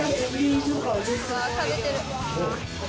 うわあ食べてる。